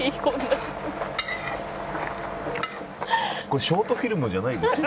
「これショートフィルムじゃないですよね？」